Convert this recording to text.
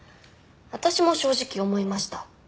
私も正直思いました。